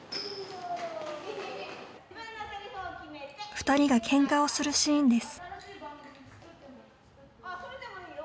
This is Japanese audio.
２人がケンカをするシーンです。